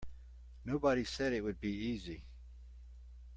Nobody said it would be easy.